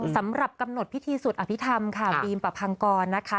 สำหรับกำหนดพิธีสวดอภิษฐรรมค่ะบีมประพังกรนะคะ